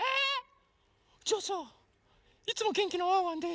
じゃあさ「いつもげんきなワンワンです」